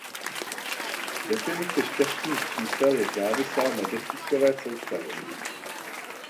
Definice šťastných čísel je závislá na desítkové soustavě.